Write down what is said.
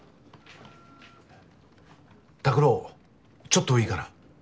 拓郎ちょっといいかな。